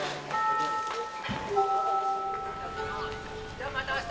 じゃあまた明日。